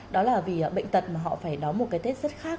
đó là vì bệnh tật mà họ phải đóng một cái tết rất khác